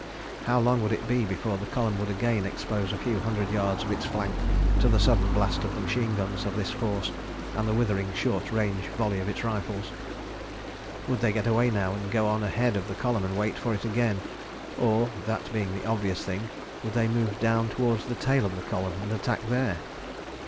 How long would it be before the column would again expose a few hundred yards of its flank to the sudden blast of the machine guns of this force and the withering short range volleys of its rifles? Would they get away now and go on ahead of the column and wait for it again, or, that being the obvious thing, would they move down toward the tail of the column, and attack there?